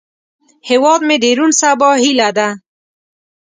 هیواد مې د روڼ سبا هیله ده